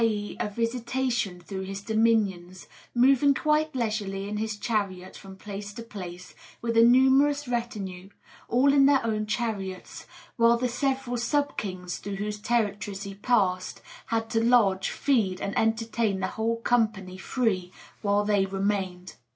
e._, a visitation through his dominions, moving quite leisurely in his chariot from place to place, with a numerous retinue, all in their own chariots; while the several sub kings through whose territories he passed had to lodge, feed, and entertain the whole company free, while they remained.